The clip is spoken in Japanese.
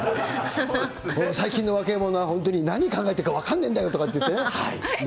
最近の若い者は本当に、何考えてるか分かんねえんだよとか言ってね。